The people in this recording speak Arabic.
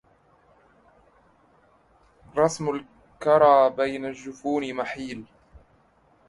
رسم الكرى بين الجفون محيل